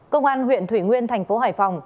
công an huyện thủy nguyên thành phố hải phòng